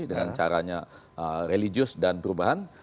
dengan caranya religius dan perubahan